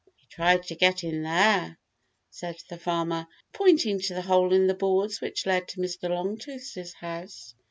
"He tried to get in there," said the Farmer, pointing to the hole in the boards which led to Mr. Longtooth's house.